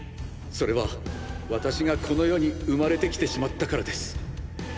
それは私がこの世に生まれてきてしまったからです。